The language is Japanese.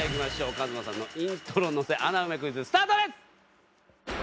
ＫＡＭＡさんのイントロ乗せ穴埋めクイズスタートです！